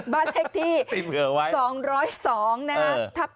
บ้านเลขที่๒๐๒นะครับ